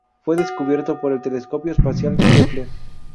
Fue descubierto por el telescopio espacial Kepler.